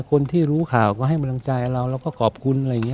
คนที่รู้ข่าวก็ให้กำลังใจเราเราก็ขอบคุณอะไรอย่างนี้